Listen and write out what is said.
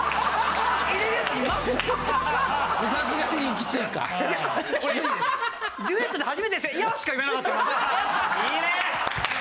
いいね！